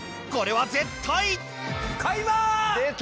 これは絶対！